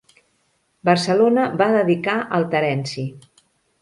Barcelona va dedicar al Terenci.